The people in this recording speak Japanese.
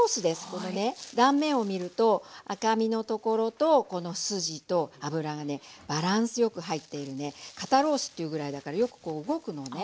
このね断面を見ると赤身のところとこの筋と脂がバランス良く入っているね肩ロースと言うぐらいだからよくこう動くのね。